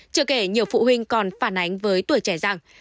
chưa kể nhiều phụ huynh còn phản ánh với tuổi trẻ rằng